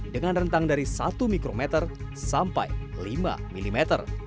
dengan rentang dari satu mikrometer sampai lima mm